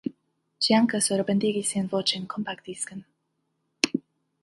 Ĝi ankaŭ surbendigis siajn voĉojn kompaktdisken.